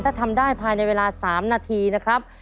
ถ้าทำได้ภายในเวลา๓นาทีนะครับ